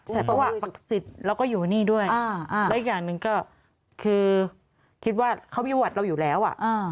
ใช่ประสิทธิ์แล้วก็อยู่นี่ด้วยอีกอย่างหนึ่งก็คือคิดว่าเขามีหวัดเราอยู่แล้ว